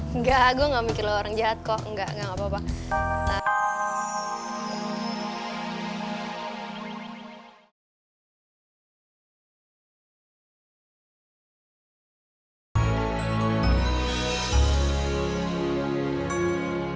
enggak gue enggak mikir lo orang jahat kok enggak enggak enggak gak apa apa